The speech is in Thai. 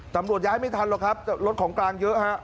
ตำรวจย้ายไม่ทันหรอกครับรถของกลางเยอะฮะ